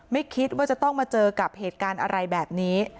ไม่คิดว่าจะต้องมาเจอกับเหตุการณ์อะไรแบบนี้